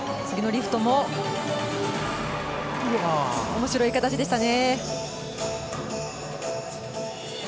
次のリフトも面白い形でしたね。